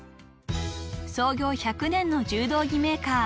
［創業１００年の柔道着メーカー］